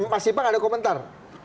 mas sipang ada komentar